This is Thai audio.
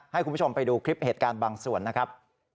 ให้คุณผู้ชมไปดูคลิปเหตุการณ์บางส่วนนะครับ